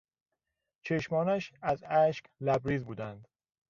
چشمانش از اشک لبریز بودند.